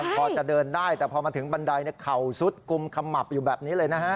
พอจะเดินได้แต่พอมาถึงบันไดเข่าซุดกุมขมับอยู่แบบนี้เลยนะฮะ